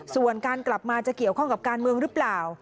ส่วนการกลับมาจะเกี่ยวข้องกับการเมืองหรือเปล่า